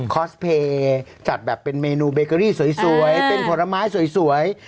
คอสเพย์จัดแบบเป็นเมนูเบเกอรี่สวยเป็นผลไม้สวย